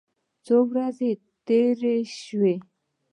څو ورځې چې تېرې سوې.